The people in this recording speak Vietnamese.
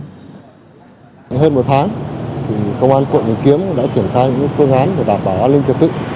hơn một tháng công an quận bình kiếm đã triển khai những phương án để đảm bảo an ninh trật tự